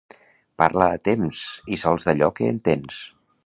Parla a temps, i sols d'allò que entens.